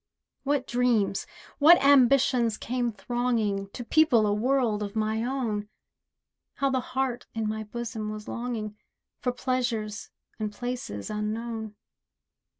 What dreams, what ambitions came thronging To people a world of my own! How the heart in my bosom was longing, For pleasures and places unknown.